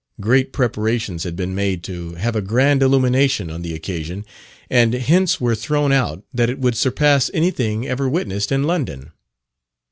Great preparations had been made to have a grand illumination on the occasion, and hints were thrown out that it would surpass anything ever witnessed in London.